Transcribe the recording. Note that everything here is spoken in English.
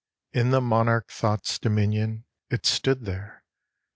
In the monarch Thought's dominion It stood there!